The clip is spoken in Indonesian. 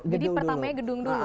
jadi pertamanya gedung dulu